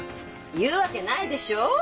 言うわけないでしょう？